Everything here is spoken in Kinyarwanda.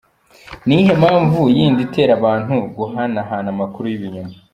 Ni iyihe mpamvu yindi itera abantu guhanahana amakuru y'ibinyoma?.